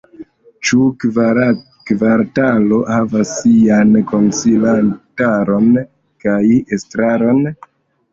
Ĉiu kvartalo havas sian konsilantaron kaj estraron.